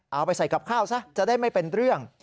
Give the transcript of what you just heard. เอาไปใส่กับข้าวซะจะได้ไม่เป็นเรื่อง